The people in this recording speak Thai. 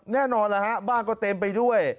แน่นอนบ้านก็เต็มไปด้วย